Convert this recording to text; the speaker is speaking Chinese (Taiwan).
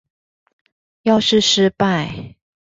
要是失敗